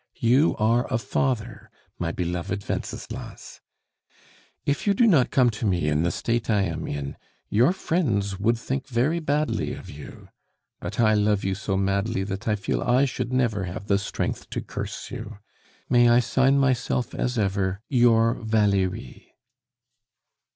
You are a father, my beloved Wenceslas. "If you do not come to me in the state I am in, your friends would think very badly of you. But I love you so madly, that I feel I should never have the strength to curse you. May I sign myself as ever, "YOUR VALERIE."